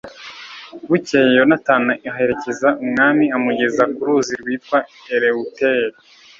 bukeye, yonatani aherekeza umwami amugeza ku ruzi rwitwa elewuteri